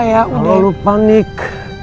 kalau lu panik